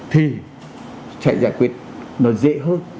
thì chạy giải quyết nó dễ hơn